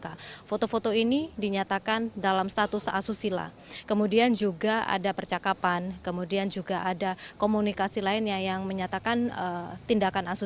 ahli bahasa ahli dari kementerian